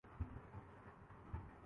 بہت پرانے ہیں۔